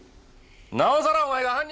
なおさらお前が犯人じゃ！